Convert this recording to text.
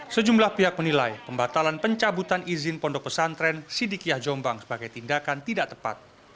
sejumlah pihak menilai pembatalan pencabutan izin pondok pesantren sidikiyah jombang sebagai tindakan tidak tepat